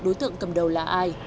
đối tượng cầm đầu là ai